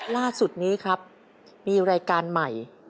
ล่าสุดนี้ครับมีรายการใหม่